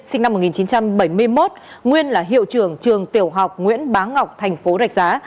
sinh năm một nghìn chín trăm bảy mươi một nguyên là hiệu trưởng trường tiểu học nguyễn bá ngọc thành phố rạch giá